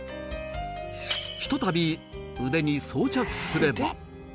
ひとたび腕に装着すれば